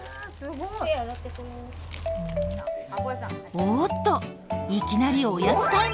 おっといきなりおやつタイムですか？